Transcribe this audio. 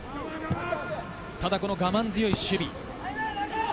ただ我慢強い守備。